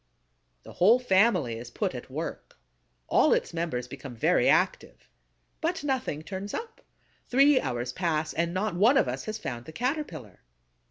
The whole family is put at work. All its members become very active. But nothing turns up: three hours pass and not one of us has found the Caterpillar.